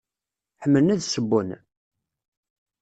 Ḥemmlen ad ssewwen?